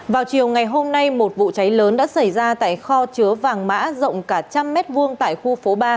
vào chiều ngày hôm nay một vụ cháy lớn đã xảy ra tại kho chứa vàng mã rộng cả trăm m hai tại khu phố ba